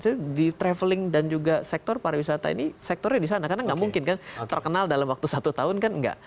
industri di traveling dan juga sektor pariwisata ini sektornya di sana karena nggak mungkin kan terkenal dalam waktu satu tahun kan enggak